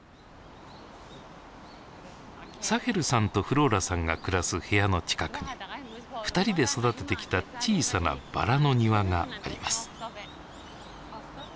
サヘルさんとフローラさんが暮らす部屋の近くに二人で育ててきた小さな薔薇の庭があります。